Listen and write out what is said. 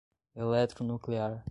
Eletronuclear